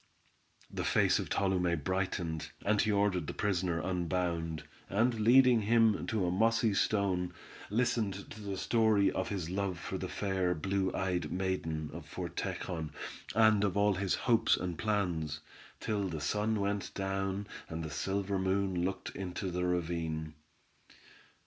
The face of Tolume brightened, and he ordered the prisoner unbound, and leading him to a mossy stone, listened to the story of his love for the fair, blue eyed maiden, of Fort Tejon, and of all his hopes and plans, till the sun went down and the silver moon looked into the ravine.